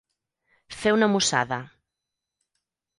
Fer una mossada.